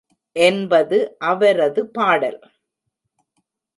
என்பது அவரது பாடல்.